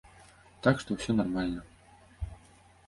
Так што, усё нармальна.